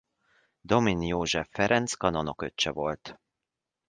Domin József Ferenc kanonok öccse volt.